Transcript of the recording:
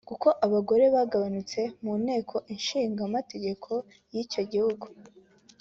kuko abagore bagabanutse mu Nteko Ishinga Amategeko y’icyo gihugu